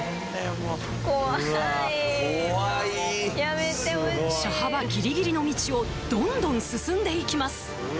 もう怖い怖い車幅ギリギリの道をどんどん進んでいきます